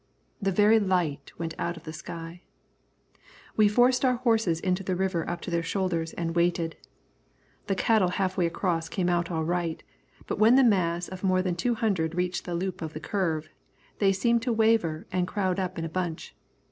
The very light went out of the sky. We forced our horses into the river up to their shoulders, and waited. The cattle half way across came out all right, but when the mass of more than two hundred reached the loop of the curve, they seemed to waver and crowd up in a bunch.